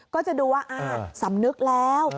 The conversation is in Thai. ก็จะดูว่าสำนึกแล้ว